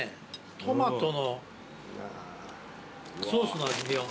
トマトのソースの味見よう。